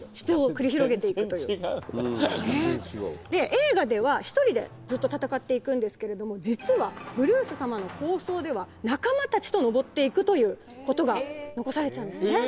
映画では１人でずっと戦っていくんですけれども実はブルース様の構想では仲間たちと上っていくということが残されてたんですね。